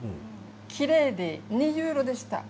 きれいでユーロでした。